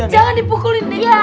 jangan dipukulin nek